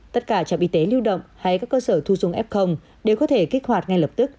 tất cả trạm y tế lưu động hay các cơ sở thu dung f đều có thể kích hoạt ngay lập tức